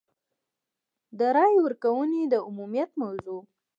د رایې ورکونې د عمومیت موضوع.